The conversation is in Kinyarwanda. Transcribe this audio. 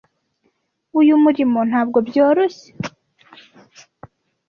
Uyu murimo ntabwo byoroshye.